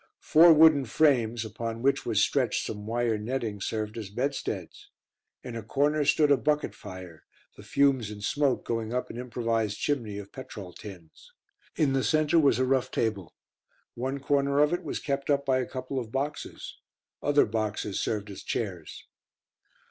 Four wooden frames, upon which was stretched some wire netting, served as bedsteads; in a corner stood a bucket fire, the fumes and smoke going up an improvised chimney of petrol tins. In the centre was a rough table. One corner of it was kept up by a couple of boxes; other boxes served as chairs.